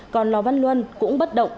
còn lò văn luân cũng bất động